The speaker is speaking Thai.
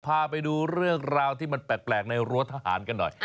พาไปดูเรื่องราวที่มันแปลกในรั้วทหารกันหน่อย